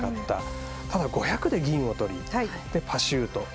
ただ、５００で銀をとりパシュート。